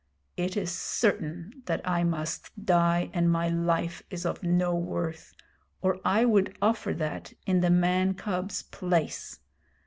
It is certain that I must die, and my life is of no worth, or I would offer that in the man cub's place.